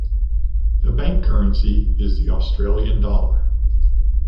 The bank currency is the Australian dollar.